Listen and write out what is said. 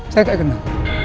saya gak kenal